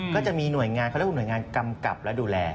ก็จะมีหน่วยงานเขาเรียกว่าหน่วยงานกำกับและดูแล